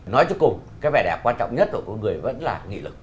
nói cho cùng cái vẻ đẹp quan trọng nhất của con người vẫn là nghị lực